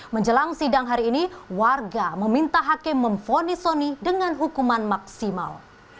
menjelang sidang hari ini warga meminta hakim memfonis soni dengan hukuman maksimal